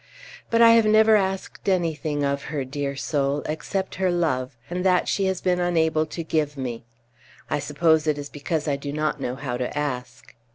But I have never asked anything of her, dear soul, except her love, and that she has been unable to give me. I suppose it is because I do not know how to ask.